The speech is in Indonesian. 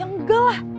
ya enggak lah